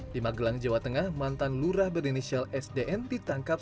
di magelang jawa tengah mantan lurah berinisial sdn ditangkap